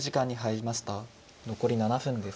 残り７分です。